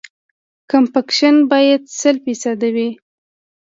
کمپکشن باید سل فیصده وي